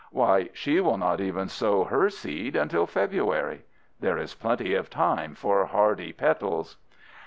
Why, she will not even sow her seed until February! There is plenty of time for hardy petals.